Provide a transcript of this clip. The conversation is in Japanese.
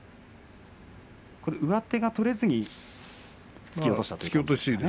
上手が取れずに突き落としたということですね。